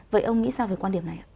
vậy ông nghĩ sao về quan điểm này